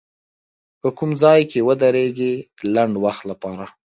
که کوم ځای کې ودرېږي د لنډ وخت لپاره